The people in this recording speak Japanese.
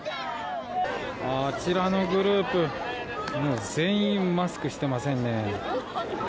あちらのグループ全員マスクしていませんね。